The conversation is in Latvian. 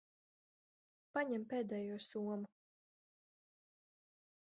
Paņem pēdējo somu.